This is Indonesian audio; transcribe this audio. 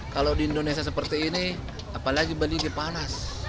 kalau di indonesia seperti ini apalagi bali lebih panas